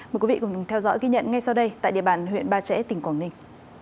mời quý vị cùng theo dõi ghi nhận ngay sau đây tại địa bàn huyện ba trẻ tỉnh quảng ninh